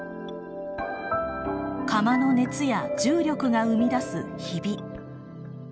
窯の熱や重力が生み出すヒビ。